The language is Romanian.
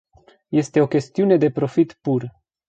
Este o chestiune de profit pur.